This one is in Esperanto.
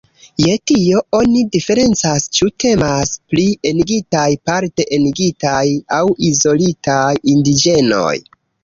Je tio oni diferencas, ĉu temas pri "enigitaj", "parte enigitaj" aŭ "izolitaj" indiĝenoj.